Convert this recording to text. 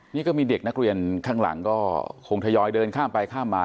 นี่ก็มีเด็กนักเรียนข้างหลังก็คงทยอยเดินข้ามไปข้ามมา